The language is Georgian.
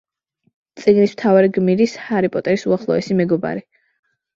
წიგნის მთავარი გმირის, ჰარი პოტერის უახლოესი მეგობარი.